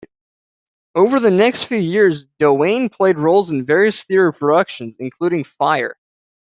Over the next few years Doane played roles in various theatre productions, including Fire!